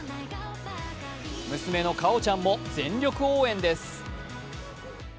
娘の果緒ちゃんも全力応援です。